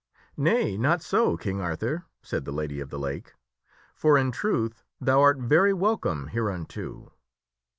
" Nay, not so, King Arthur," said the Lady of the Lake, " for, in truth, thou art very welcome hereunto.